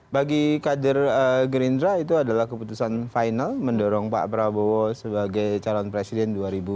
bagi kader gerindra itu adalah keputusan final mendorong pak prabowo sebagai calon presiden dua ribu dua puluh